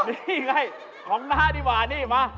นี่ไงของน้าดีกว่านี่มา